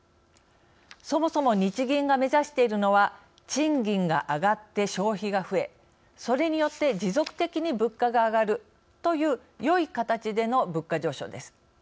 そもそも日銀が目指しているのは賃金が上がって、消費が増えそれによって持続的に物価が上がるというよい形での物価上昇です。